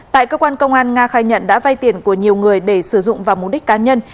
tại cơ quan công an nga khai nhận đã vay tiền của nhiều người để sử dụng vào mục đích cá nhân